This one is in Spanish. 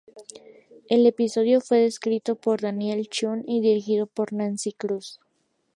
El episodio fue escrito por Daniel Chun y dirigido por Nancy Kruse.